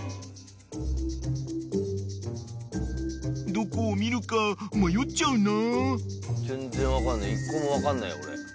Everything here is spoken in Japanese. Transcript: ［どこを見るか迷っちゃうな］